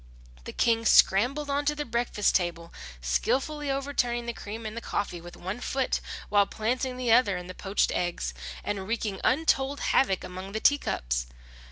The King scrambled on to the breakfast table, skilfully overturning the cream and the coffee with one foot, while planting the other in the poached eggs, and wreaking untold havoc among the teacups.